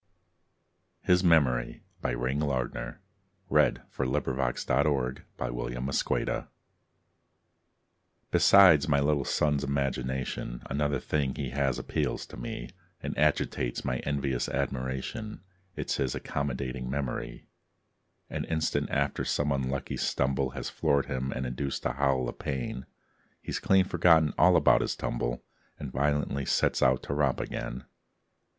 ree, I'd give them back my salary. HIS MEMORY Besides my little son's imagination, Another thing he has appeals to me And agitates my envious admiration It's his accommodating memory. An instant after some unlucky stumble Has floored him and induced a howl of pain, He's clean forgotten all about his tumble And violently sets out to romp again.